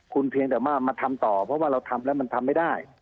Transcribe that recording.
คุณเพียงแต่ว่ามาทำต่อเพราะว่าเราทำแล้วมันทำไม่ได้